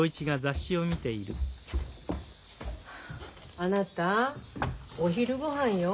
あなたお昼ごはんよ。